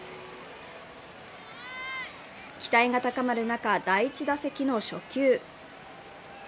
期待が高まる中、第１打席の初球。